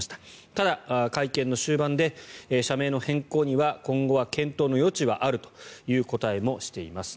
ただ、会見の終盤で社名の変更には今後は検討の余地はあるという答えもしています